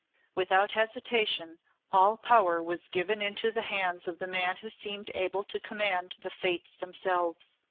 Without hesitation all power was given into the hands of the man who seemed able to command the Fates themselves.